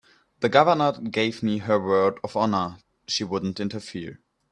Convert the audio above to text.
The Governor gave me her word of honor she wouldn't interfere.